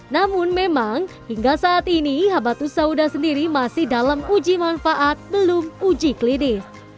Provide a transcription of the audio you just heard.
namun memang hingga saat ini habatus sauda sendiri masih dalam uji manfaat belum uji klinis